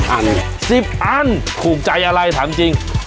อัน๑๐อันถูกใจอะไรถามจริง